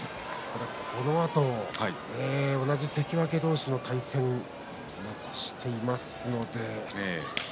このあと関脇同士の対戦を残していますので。